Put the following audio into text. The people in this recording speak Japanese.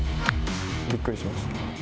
びっくりしました。